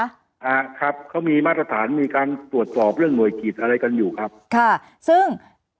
อ่าครับเขามีมาตรฐานมีการตรวจสอบเรื่องหน่วยกิจอะไรกันอยู่ครับค่ะซึ่ง